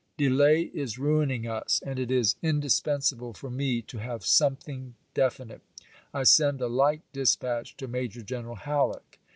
De lay is ruining us, and it is indispensable for me to ^^u^eu, have something definite. I send a like dispatch to w. 'e. Major G eneral Halleck."